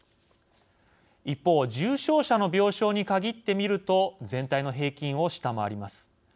一方重症者の病床に限って見ると全体の平均を下回ります。